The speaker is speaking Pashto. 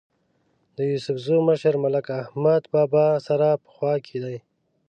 د یوسفزو مشر ملک احمد بابا سره په خوا کې دی.